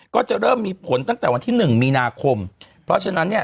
ก็จะเริ่มมีผลตั้งแต่วันที่หนึ่งมีนาคมเพราะฉะนั้นเนี่ย